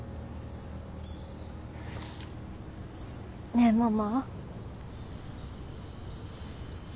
ねえママ。